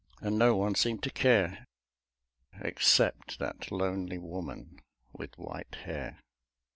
And no one seemed to care Except that lonely woman with white hair.